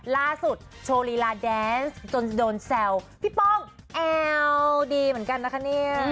โชว์ลีลาแดนส์จนโดนแซวพี่ป้อมแอวดีเหมือนกันนะคะเนี่ย